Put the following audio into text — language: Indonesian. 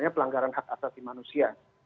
pelanggaran hak asasi manusia